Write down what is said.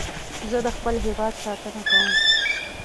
زه د خپل هېواد ساتنه کوم